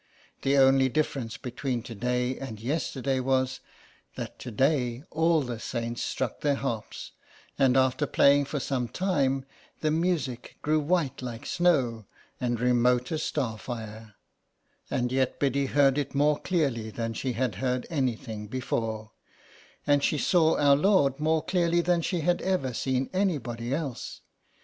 The only difference between to day and yesterday was, that to day all the saints struck their harps, and after playing for some time the music grew white like snow and remote as star fire, and yet Biddy heard it more clearly than she had heard anything before, and she saw Our Lord more clearly than she had ever seen anybody else.